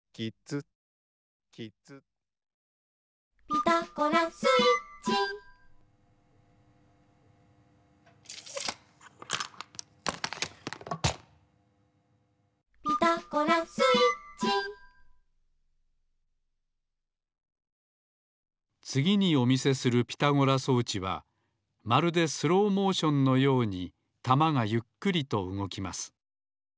「ピタゴラスイッチ」「ピタゴラスイッチ」つぎにお見せするピタゴラ装置はまるでスローモーションのようにたまがゆっくりとうごきます。